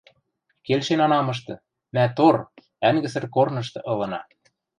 Келшен ана мышты... мӓ тор, ӓнгӹсӹр корнышты ылына...